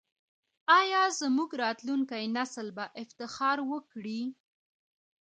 آیا زموږ راتلونکی نسل به افتخار وکړي؟